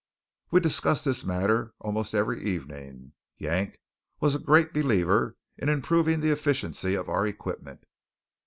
We discussed this matter almost every evening. Yank was a great believer in improving the efficiency of our equipment.